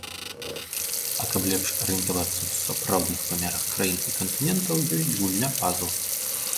А каб лепш арыентавацца ў сапраўдных памерах краін і кантынентаў, ёсць гульня-пазл.